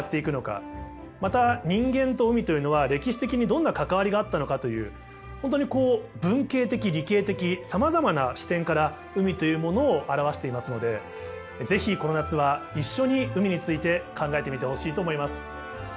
また人間と海というのは歴史的にどんな関わりがあったのかという本当にこう文系的理系的さまざまな視点から海というものを表していますので是非この夏は一緒に海について考えてみてほしいと思います。